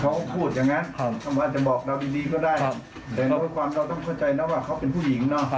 เขาเป็นผู้หญิงนะเขากลัวเขาเป็นแม่นใครเขาต้องบอกให้ออกไป